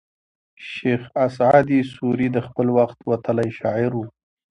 شېخ اسعد سوري د خپل وخت وتلى شاعر وو.